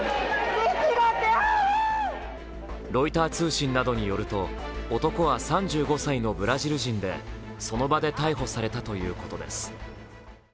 ロイター通信などによると男は３５歳のブラジル人でその場で逮捕されたということです。